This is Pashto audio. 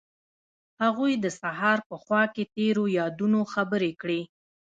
هغوی د سهار په خوا کې تیرو یادونو خبرې کړې.